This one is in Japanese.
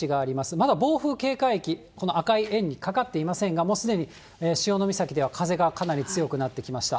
まだ暴風警戒域、この赤い円にかかっていませんが、もうすでに潮岬では風がかなり強くなってきました。